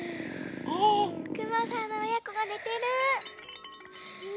くまさんのおやこがねてる。